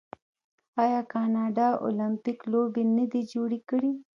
آیا کاناډا المپیک لوبې نه دي جوړې کړي؟